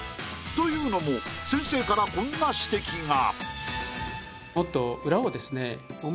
というのも先生からこんな指摘が。